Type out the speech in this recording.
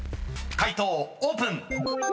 ［解答オープン！］